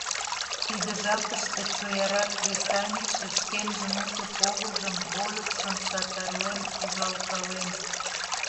Тиде жапыште чоярак кресаньыкше шкенжын уто погыжым, вольыкшым сатарлен, ужалкален.